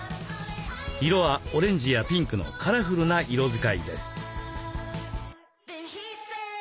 色はオレンジやピンクのカラフルな色使いです。